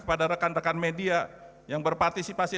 kepada rekan rekan media yang berpartisipasi